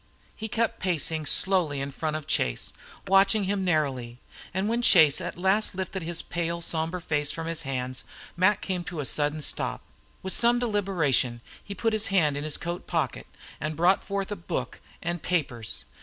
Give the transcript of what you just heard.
He kept pacing slowly before Chase, watching him narrowly; and when Chase at last lifted his pale, sombre face from his hands, Mac came to a sudden stop. With some deliberation he put his hand into his coat pocket and brought forth a book and papers.